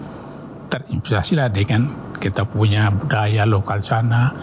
jadi terimprasilah dengan kita punya budaya lokal sana